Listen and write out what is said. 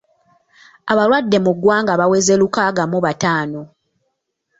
Abalwadde mu ggwanga baweze lukaaga mu bataano.